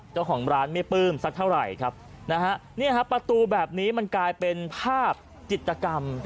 เจ้าของร้านไม่ปลื้มสักเท่าไหร่ครับนะฮะเนี่ยฮะประตูแบบนี้มันกลายเป็นภาพจิตกรรม